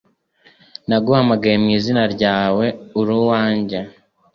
Naguhamagaye mu izina ryawe uri uwanjye."